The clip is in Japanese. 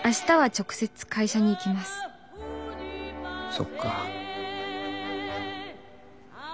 そっか。